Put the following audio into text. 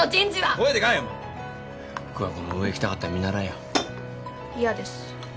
声でかいよお前桑子も上行きたかったら見習えよ嫌です